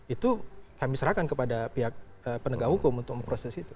itu kami serahkan kepada pihak penegak hukum untuk memproses itu